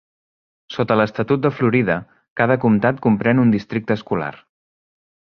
Sota l'estatut de Florida, cada comtat comprèn un districte escolar.